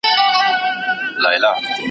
زموږ هيواد د ماڼيو نه دی .